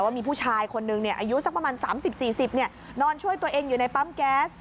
ว่ามีผู้ชายคนนึงอายุสักประมาณ๓๐๔๐นอนช่วยตัวเองอยู่ในปั๊มแก๊ส